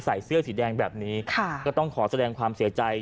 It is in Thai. ใส่เสื้อสีแดงแบบนี้ค่ะก็ต้องขอแสดงความเสียใจ